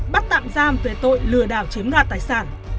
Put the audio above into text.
bắt tạm giam về tội lừa đảo chiếm đoạt tài sản